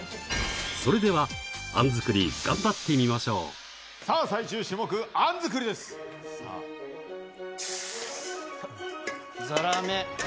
それでは、あん作り頑張ってさあ、最終種目、あん作りでザラメ。